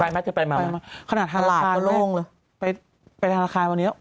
ใครไหมเข้าไปไมโล่งแล้วขณะทาราคารเมื่อ๓ตั้งข้างก็ก็เลย